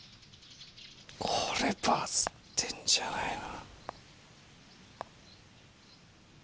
これバズってんじゃないの？